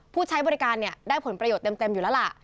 ผู้ใช้บริการได้ผลประโยชน์เต็มอยู่แล้วล่ะ